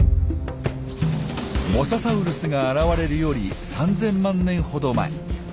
モササウルスが現れるより３，０００万年ほど前。